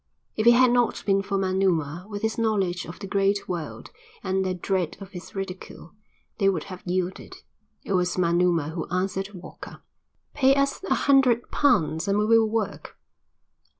If it had not been for Manuma, with his knowledge of the great world, and their dread of his ridicule, they would have yielded. It was Manuma who answered Walker. "Pay us a hundred pounds and we will work."